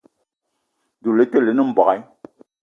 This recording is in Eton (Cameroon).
Doula le te lene mbogui.